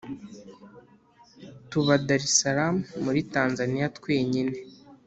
tuba dar salam muri tanzania twenyine